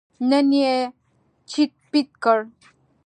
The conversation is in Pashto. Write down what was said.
نن یې چیت پیت کړ.